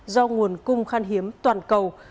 do nguồn cung khăn hiếm toàn cầu